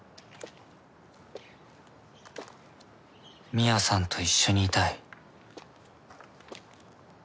深愛さんと一緒にいたい